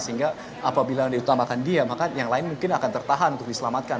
sehingga apabila diutamakan dia maka yang lain mungkin akan tertahan untuk diselamatkan